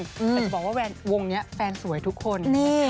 จะบอกว่าแว่นวงเนี้ยแฟนสวยทุกคน